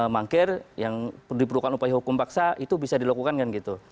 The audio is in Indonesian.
mangkir yang diperlukan upaya hukum paksa itu bisa dilakukan kan gitu